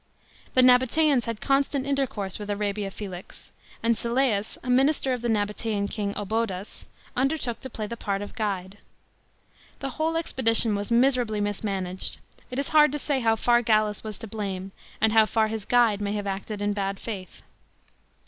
The Nabateans had constant intercourse with Arabia Felix, and Syllseus, a minister of the Nabatean king Obodas, undertook to play the part of guide. The whole expedition was miserably mismanaged ; it is hard to say how far Gallus was to blame and how far his guide may have acted in bad faith.